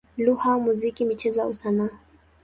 lugha, muziki, michezo au sanaa.